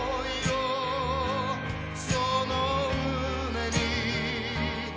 「その胸に」